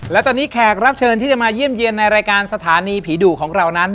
และตอนนี้แขกรับเชิญที่จะมาเยี่ยมเยี่ยมในรายการสถานีผีดุของเรานั้น